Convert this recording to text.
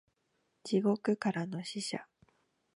地獄からの使者